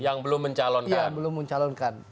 yang belum mencalonkan